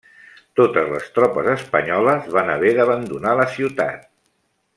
Totes les tropes espanyoles van haver d'abandonar la ciutat.